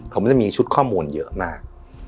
ผมจะมีชุดข้อมูลเยอะมาก